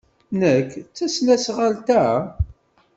Nnek tesnasɣalt-a?